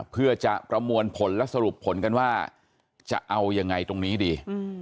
เพื่อจะประมวลผลและสรุปผลกันว่าจะเอายังไงตรงนี้ดี